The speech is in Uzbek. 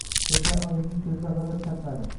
Birdan oyimning ko‘zida g‘azab chaqnadi.